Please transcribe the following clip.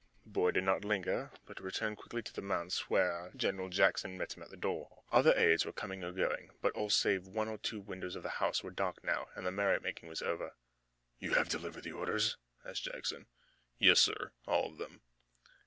The boy did not linger, but returned quickly to the manse, where General Jackson met him at the door. Other aides were coming or going, but all save one or two windows of the house were dark now, and the merrymaking was over. "You have delivered the orders?" asked Jackson. "Yes, sir, all of them."